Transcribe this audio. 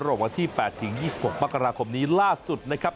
วันที่๘ถึง๒๖มกราคมนี้ล่าสุดนะครับ